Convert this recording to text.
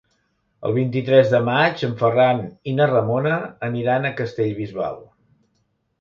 El vint-i-tres de maig en Ferran i na Ramona aniran a Castellbisbal.